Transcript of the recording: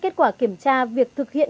kết quả kiểm tra việc thực hiện